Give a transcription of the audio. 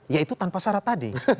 yaitu tanpa syarat tadi